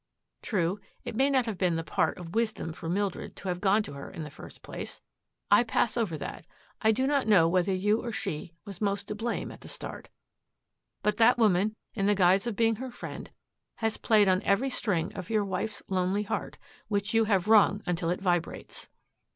True, it may not have been the part of wisdom for Mildred to have gone to her in the first place. I pass over that. I do not know whether you or she was most to blame at the start. But that woman, in the guise of being her friend, has played on every string of your wife's lonely heart, which you have wrung until it vibrates.